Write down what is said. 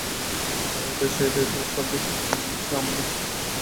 সারা দেশ দেখছে আমাদের।